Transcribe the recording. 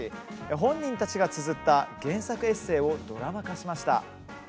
本人たちがつづった原作エッセーをドラマ化しました。